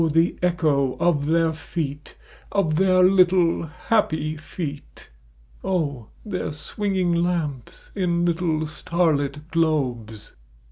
the echo of their feet — of their little happy feet :! their swinging lamps in little starlit globes.